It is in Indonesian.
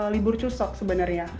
libur cusok sebenarnya